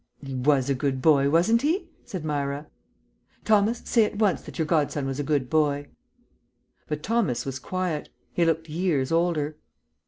"He was a good boy, wasn't he?" said Myra. "Thomas, say at once that your godson was a good boy." But Thomas was quiet. He looked years older.